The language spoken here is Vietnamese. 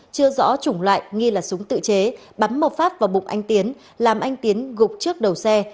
chưa rõ chủng loại nghi là súng tự chế bắn một phát vào bụng anh tiến làm anh tiến gục trước đầu xe